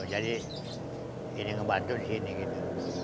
jadi ini ngebantu di sini gitu